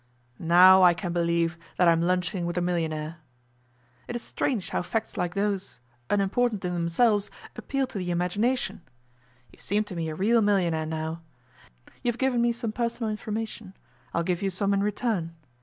'Now I can believe that I am lunching with a millionaire. It's strange how facts like those unimportant in themselves appeal to the imagination. You seem to me a real millionaire now. You've given me some personal information; I'll give you some in return.